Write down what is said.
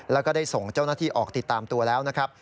แล้วก็ได้ส่งเจ้าหน้าที่ออกติดตามตัวแล้วนะครับ